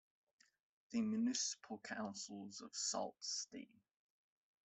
The municipal councils of Sault Ste.